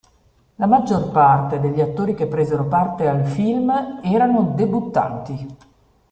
La maggior parte degli attori che presero parte al film erano debuttanti.